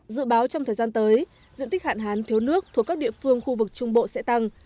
dự báo trong thời gian tới diện tích hạn hán thiếu nước thuộc các địa phương khu vực trung bộ sẽ tăng